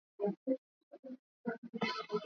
Tumbo limeshiba.